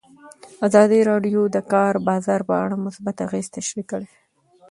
ازادي راډیو د د کار بازار په اړه مثبت اغېزې تشریح کړي.